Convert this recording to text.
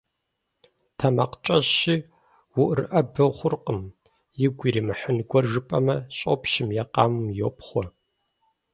Тэмакъкӏэщӏщи уӏурыӏэбэ хъуркъым. Игу иримыхьын гуэр жыпӏамэ, щӏопщым е къамэм йопхъуэ.